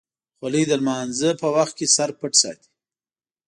خولۍ د لمانځه وخت کې د سر پټ ساتي.